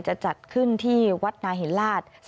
จะจัดขึ้นที่วัดนาเห็นราช